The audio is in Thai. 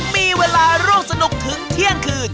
มีเวลาร่วมสนุกถึงเที่ยงคืน